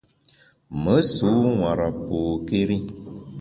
Me sû nwara pôkéri.